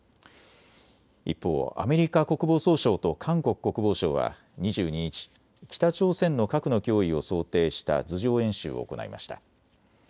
一方、アメリカ国防総省と韓国国防省は２２日、北朝鮮の核の脅威を想定した図上演習を行いました。